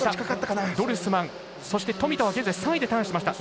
ドルスマン、そして富田は現在、３位でターンしました。